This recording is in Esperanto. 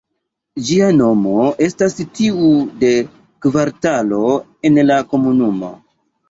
Ĝia nomo estas tiu de kvartalo en la komunumo.